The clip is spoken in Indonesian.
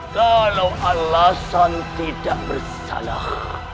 kalau alasan tidak bersalah